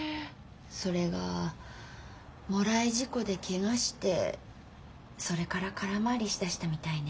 それがもらい事故でケガしてそれから空回りしだしたみたいね。